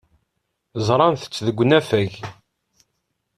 Ẓrant-t deg unafag.